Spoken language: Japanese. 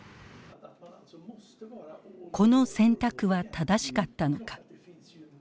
この選択は正しかったのか。